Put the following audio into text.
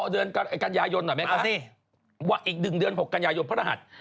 เอาอีกดึงเดือน๖กัณยายนภรรหัส